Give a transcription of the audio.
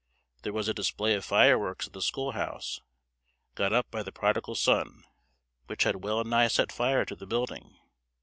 There was a display of fireworks at the school house, got up by the prodigal son, which had wellnigh set fire to the building.